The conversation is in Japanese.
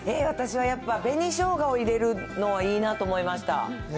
私はやっぱ、紅しょうがを入れるのいいなと思いました。